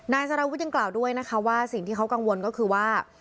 สารวุฒิยังกล่าวด้วยนะคะว่าสิ่งที่เขากังวลก็คือว่า